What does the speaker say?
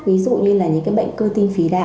ví dụ như là những cái bệnh cơ tim phí nào